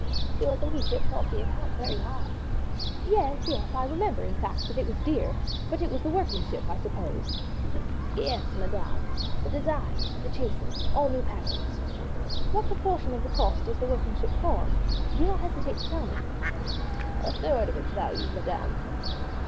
"Your ladyship thought the account very high." "Yes, yes; I remember, in fact, that it was dear; but it was the workmanship, I suppose?" "Yes, madame; the designs, the chasings all new patterns." "What proportion of the cost does the workmanship form? Do not hesitate to tell me." "A third of its value, madame."